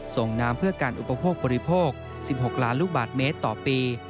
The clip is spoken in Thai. ส่งน้ำเพื่อการอุปโภคบริโภค๑๖ล้านลูกบาทเมตรต่อปี